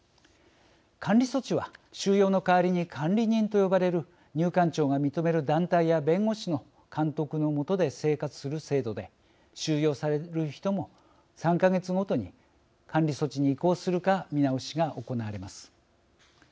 監理措置は収容の代わりに監理人と呼ばれる入管庁が認める団体や弁護士の監督の下で生活する制度で収容される人も３か月ごとに監理措置に移行するか見直しが行われます。